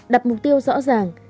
đập mục tiêu rõ ràng